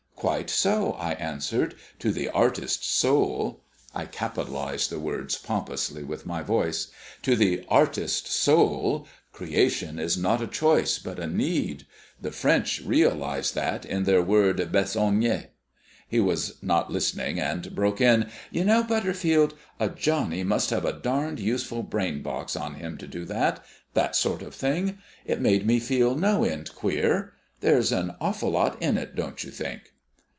"Quite so," I answered. "To the Artist Soul" (I capitalised the words pompously with my voice) "to the Artist Soul, creation is not a choice, but a need. The French realise that in their word besogne " He was not listening, and broke in: "You know, Butterfield, a Johnny must have a darned useful brain box on him to do that that sort of thing. It made me feel no end queer. There's an awful lot in it, don't you think?"